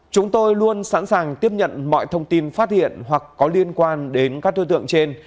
chúng tôi luôn sẵn sàng tiếp nhận mọi thông tin phát hiện hoặc có liên quan đến các đối tượng trên